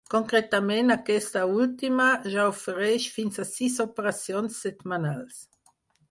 Concretament aquesta última, ja ofereix fins a sis operacions setmanals.